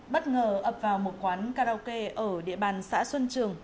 bất ngờ ập vào một quán karaoke ở địa bàn xã xuân trường